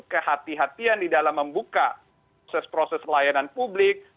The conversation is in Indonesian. kehatian kehatian di dalam membuka proses proses pelayanan publik